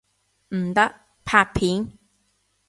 唔得，拍片！